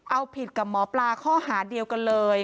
เอาผิดกับหมอปลาข้อหาเดียวกันเลย